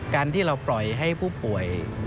การที่เราปล่อยให้ผู้ป่วย